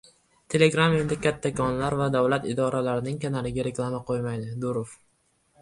Telegram endi “kattakonlar” va davlat idoralarining kanaliga reklama qo‘ymaydi – Durov